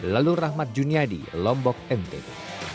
lalu rahmat juniadi lombok mtb